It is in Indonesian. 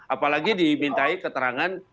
apalagi dimintai keterangan